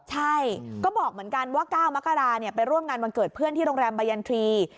ใช่ก็บอกเหมือนกันว่า๙มกราไปร่วมงานวันเกิดเพื่อนที่โรงแรมบายันทรีย์